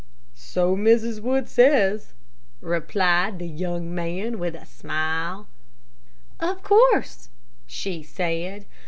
"So Mrs. Wood says," replied the young man, with a smile. "Of course," she said.